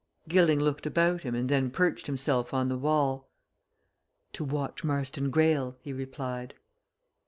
Gilling looked about him and then perched himself on the wall. "To watch Marston Greyle," he replied.